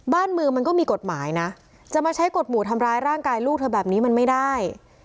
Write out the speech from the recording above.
บ้านเมืองมันก็มีกฎหมายนะจะมาใช้กฎหมู่ทำร้ายร่างกายลูกเธอแบบนี้มันไม่ได้